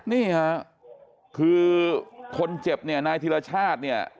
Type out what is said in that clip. นี่ค่ะคือคนเจ็บเนี่ยนายธิรชาติเนี่ย